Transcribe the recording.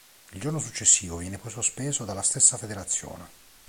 Il giorno successivo viene poi sospeso dalla stessa federazione.